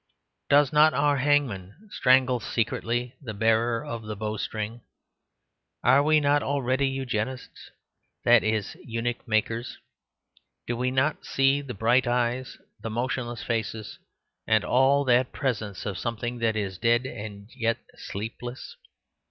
Does not our hangman strangle secretly, the bearer of the bow string? Are we not already eugenists that is, eunuch makers? Do we not see the bright eyes, the motionless faces, and all that presence of something that is dead and yet sleepless?